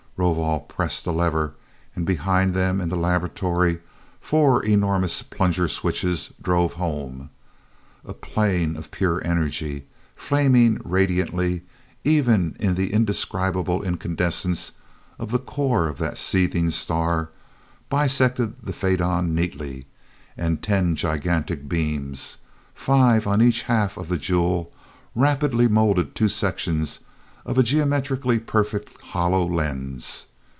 Rovol pressed a lever and behind them, in the laboratory, four enormous plunger switches drove home. A plane of pure energy, flaming radiantly even in the indescribable incandescence of the core of that seething star, bisected the faidon neatly, and ten gigantic beams, five upon each half of the jewel, rapidly molded two sections of a geometrically perfect hollow lens.